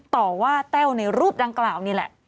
ต่อว่าแต้วในรูปดังกล่าวนี่แหละ